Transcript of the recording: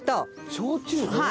焼酎！？